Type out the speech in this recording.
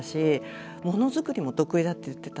物作りも得意だって言ってた。